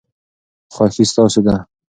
خوښي ستاسو ده.